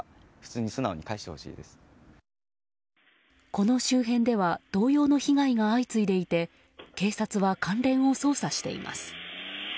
この周辺では同様の被害が相次いでいて警察は関連を捜査しています。